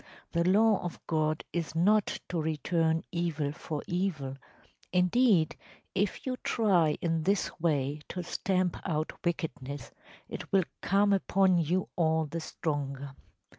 The law of God is not to return evil for evil; indeed, if you try in this way to stamp out wickedness it will come upon you all the stronger.